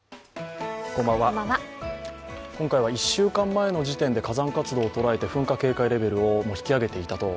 今回は１週間前の時点で火山活動を捉えて噴火警戒レベルを引き上げていたと。